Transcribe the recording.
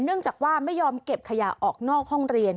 เนื่องจากว่าไม่ยอมเก็บขยะออกนอกห้องเรียน